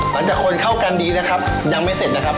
หลังจากคนเข้ากันดีนะครับยังไม่เสร็จนะครับ